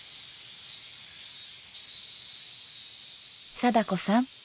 貞子さん